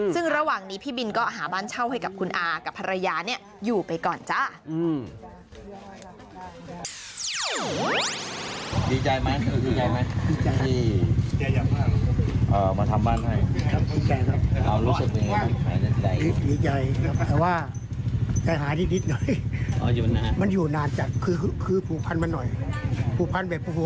ซึ่งระหว่างนี้พี่บินก็หาบ้านเช่าให้กับคุณอากับภรรยาอยู่ไปก่อนจ้า